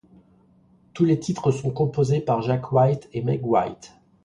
Tous les titres sont composés par Jack White et Meg White.